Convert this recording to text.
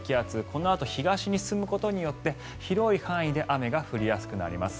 このあと東に進むことによって広い範囲で雨が降りやすくなります。